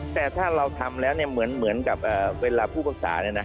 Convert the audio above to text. แต่ถ้าเราทำแล้วเนี่ยเหมือนกับเวลาผู้ปรึกษาเนี่ยนะ